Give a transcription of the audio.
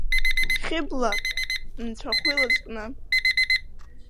Хьыбла-нцәахәы илызкны…